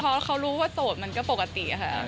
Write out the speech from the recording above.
พอเขารู้ว่าโสดมันก็ปกติค่ะ